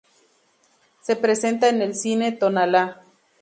Se presenta en el Cine Tonalá.